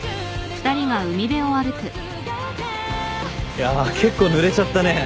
いや結構ぬれちゃったね。